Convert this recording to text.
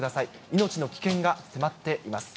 命の危険が迫っています。